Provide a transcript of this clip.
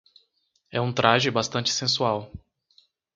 É um traje bastante sensual